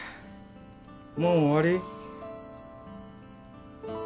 もう終わり？